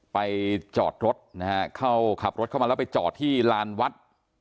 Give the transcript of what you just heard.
ไปจอดรถนะฮะเข้าขับรถเข้ามาแล้วไปจอดที่ลานวัด